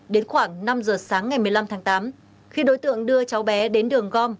đến khoảng năm giờ sáng ngày một mươi năm tháng tám khi đối tượng đưa cháu bé đến đường gom